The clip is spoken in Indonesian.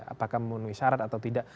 apakah memenuhi syarat atau tidak